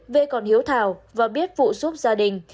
vê còn hiếu thảo và biết phụ giúp gia đình